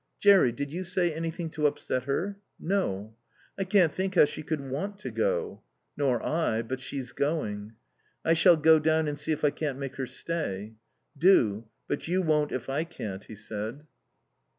"Jerry did you say anything to upset her?" "No." "I can't think how she could want to go." "Nor I. But she's going." "I shall go down and see if I can't make her stay." "Do. But you won't if I can't," he said.